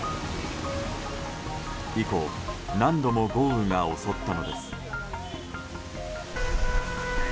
以降、何度も豪雨が襲ったのです。